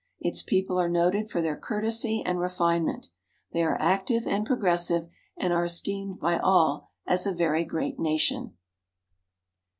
Its people are noted for their courtesy and refinement. They are active and progressive, and are esteemed by all as a very great nation.